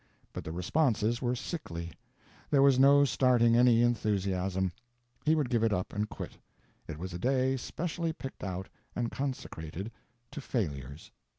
But the responses were sickly, there was no starting any enthusiasm; he would give it up and quit—it was a day specially picked out and consecrated to failures.